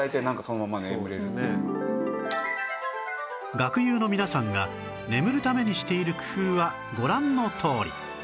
学友の皆さんが眠るためにしている工夫はご覧のとおり